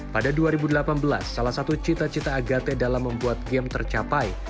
pada dua ribu delapan belas salah satu cita cita agate dalam membuat game tercapai